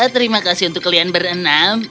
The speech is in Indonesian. terima kasih untuk kalian berenang